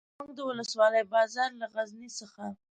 زموږ د ولسوالۍ بازار له غزني څخه.